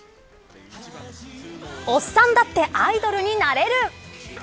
おっさんだってアイドルになれる。